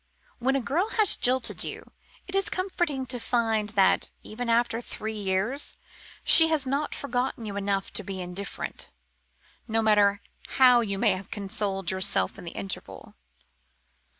When a girl has jilted you, it is comforting to find that even after three years she has not forgotten you enough to be indifferent, no matter how you may have consoled yourself in the interval.